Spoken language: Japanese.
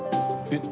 え？